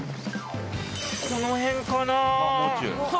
この辺かなぁ。